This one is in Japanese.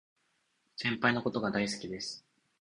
先輩のことが大好きです